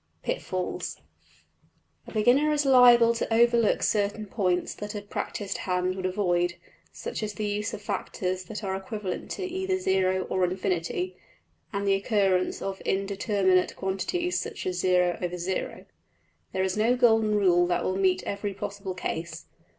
\Paragraph{Pitfalls.} A beginner is liable to overlook certain points that a practised hand would avoid; such as the use of factors that are equivalent to either zero or infinity, and the occurrence of indeterminate quantities such as $\tfrac$. There is no golden rule that will meet every possible case.